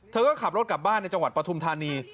เธอก็ขับรถกลับบ้านในประทุมธรรมดี